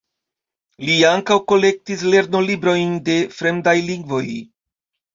Li ankaŭ kolektis lernolibrojn de fremdaj lingvoj.